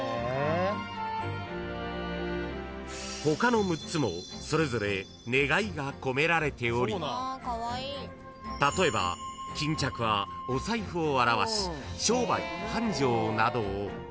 ［他の６つもそれぞれ願いが込められており例えば巾着はお財布を表し商売繁盛などを］